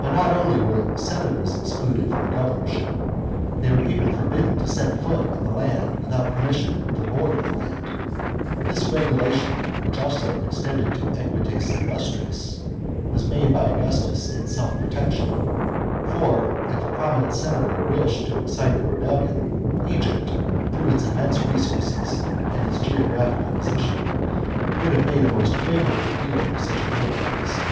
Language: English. But not only were senators excluded from the governorship, they were even forbidden to set foot in the land without permission of the lord of the land. This regulation (which extended also to equites illustres) was made by Augustus in se'f protection. For if a prominent senator wished to excite a rebellion, Egypt, through its immense resources and its geographical position, would have been a most favourable field for such an enterprise.